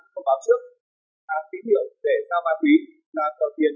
và vận chuyển ra hải phóng đối tượng